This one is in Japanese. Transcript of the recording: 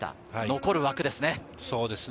残る枠ですね。